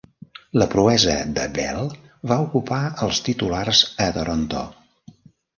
La proesa de Bell va ocupar els titulars a Toronto.